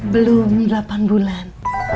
belum delapan bulan